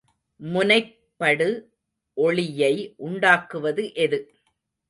முனைப்படு ஒளியை உண்டாக்குவது எது?